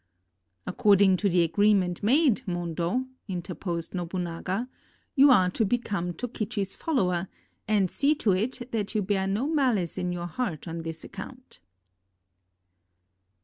"According to the agreement made, Mondo," inter posed Nobunaga, "you are to become Tokichi 's follower, and see to it that you bear no malice in your heart on this account."